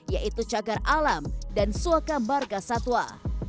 yaitu cagar alam dan suaka marga satwa